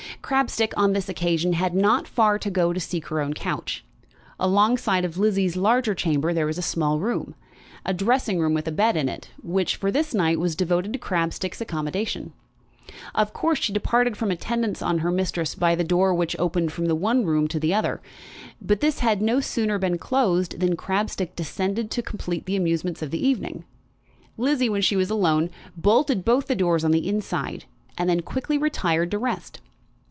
Crabstick, on this occasion, had not far to go to seek her own couch. Alongside of Lizzie's larger chamber there was a small room, a dressing room with a bed in it, which, for this night, was devoted to Crabstick's accommodation. Of course, she departed from attendance on her mistress by the door which opened from the one room to the other; but this had no sooner been closed than Crabstick descended to complete the amusements of the evening. Lizzie, when she was alone, bolted both the doors on the inside, and then quickly retired to rest.